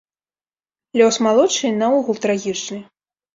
Лёс малодшай наогул трагічны.